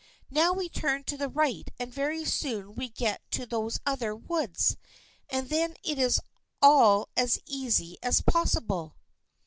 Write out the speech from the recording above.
Now we turn to the right and very soon we get to those other woods, and then it is all as easy as possible."